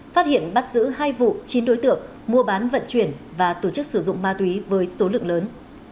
phát hiện bắt giữ hai vụ chín đối tượng mua bán vận chuyển và tổ chức sử dụng ma túy với số lượng lớn